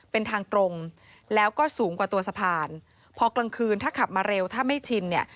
เป็นทางตรงแล้วก็สูงกว่าตัวสะพานพอกลางคืนถ้าขับมาเร็วถ้าไม่ชินเนี่ย